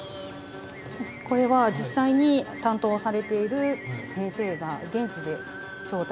これは実際に担当されている先生が現地で調達してくるものなんです。